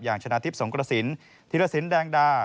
อย่างชนะทิพย์สงกระศิลป์ธิระศิลป์แดงดา